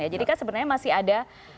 jadi kan sebenarnya masih ada